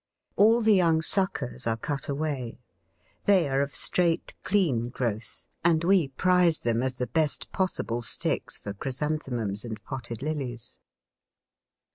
All the young suckers are cut away. They are of straight, clean growth, and we prize them as the best possible sticks for Chrysanthemums and potted Lilies.